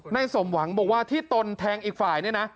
ในสมหวังที่โตนแทงอีกฝ่าย